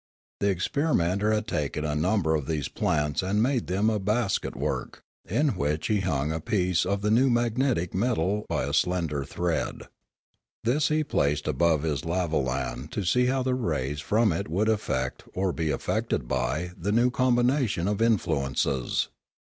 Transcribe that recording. The experimenter had taken a number of these plants and made of them a basket Discoveries 335 work, in which he hung a piece of the new magnetic metal by a slender thread. This he placed above his lavolan to see how the rays from it would affect, or be affected by, the new combination of influences.